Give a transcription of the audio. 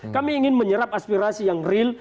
kami ingin menyerap aspirasi yang real